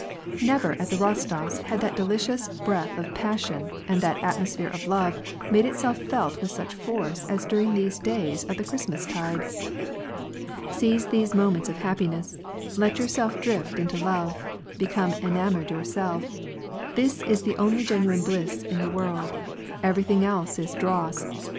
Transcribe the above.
Never at the Kostofs had that delicious breath of passion, and that atmosphere of love made itself felt with such foroe tf during these days of the Christmastide. " Seize these moments of happiness ; let yourself drift into love ; become enamoured yourself. This is the only genuine bliss in the world ; everything else is dross.